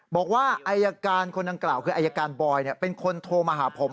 บอกว่าอายการคนดังกล่าวคืออายการบอยเป็นคนโทรมาหาผม